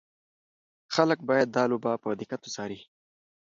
خلک باید دا لوبه په دقت وڅاري.